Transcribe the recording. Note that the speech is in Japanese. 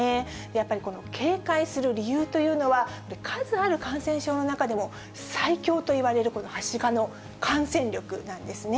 やっぱりこの警戒する理由というのは、数ある感染症の中でも、最強といわれる、このはしかの感染力なんですね。